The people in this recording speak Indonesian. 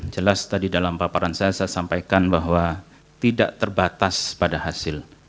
jelas tadi dalam paparan saya saya sampaikan bahwa tidak terbatas pada hasil